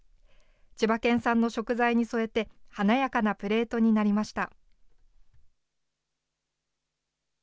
千葉県産の食材に添えて、華やかなプレートになりました。